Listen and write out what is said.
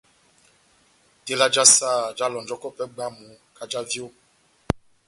Tela já saha jáhalɔnjɔkɔ pɛhɛ bwámu kahá já vyo.